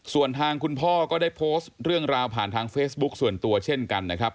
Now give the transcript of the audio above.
ส่วนทางคุณพ่อก็ได้โพสต์เรื่องราวผ่านทางเฟซบุ๊คส่วนตัวเช่นกันนะครับ